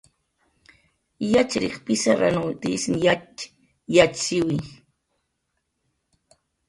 Yatxchiriq pizarranw tizn yatx yatxchiwi